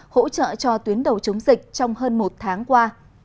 hỗ trợ cho tuyến đầu chống dịch trong hơn một tháng qua